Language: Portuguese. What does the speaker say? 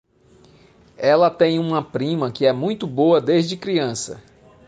Ela tem uma prima que é muito boa desde criança.